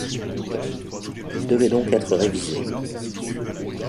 Ils devaient donc être révisés.